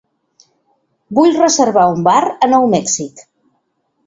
Vull reservar un bar a Nou Mèxic.